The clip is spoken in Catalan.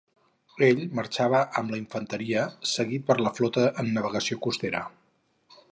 Ell marxava amb la infanteria, seguit per la flota en navegació costanera.